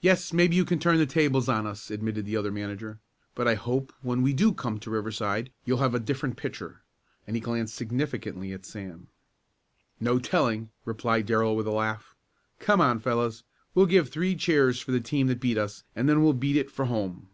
"Yes, maybe you can turn the tables on us," admitted the other manager, "but I hope when we do come to Riverside you'll have a different pitcher," and he glanced significantly at Sam. "No telling," replied Darrell with a laugh. "Come on, fellows. We'll give three cheers for the team that beat us and then we'll beat it for home."